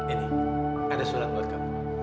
ini ada sulam buat kamu